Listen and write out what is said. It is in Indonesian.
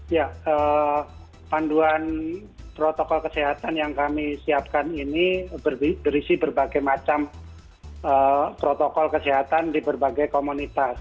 ya panduan protokol kesehatan yang kami siapkan ini berisi berbagai macam protokol kesehatan di berbagai komunitas